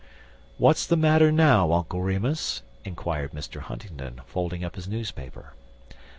"What's the matter now, Uncle Remus?" inquired Mr. Huntingdon, folding up his newspaper.